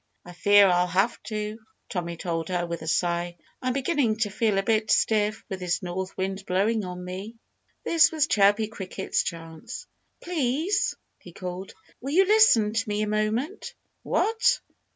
"I fear I'll have to," Tommy told her with a sigh. "I'm beginning to feel a bit stiff, with this north wind blowing on me." This was Chirpy Cricket's chance. "Please!" he called. "Will you listen to me a moment?" "What!